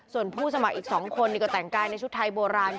ส่วนผู้สมัครอีก๒คนนี้ก็แต่งกายในชุดไทยโบราณ